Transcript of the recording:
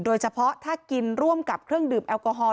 โดยเฉพาะถ้ากินร่วมกับเครื่องดื่มแอลกอฮอล